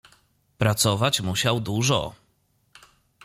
"Pracować musiał dużo."